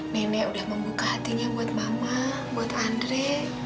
nenek udah membuka hatinya buat mama buat andre